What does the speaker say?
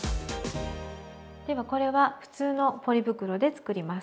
ではこれは普通のポリ袋で作ります。